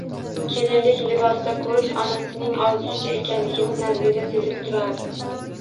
Kelinlik libosida ko`rish onasining orzusi ekanligini Nazira sezib turardi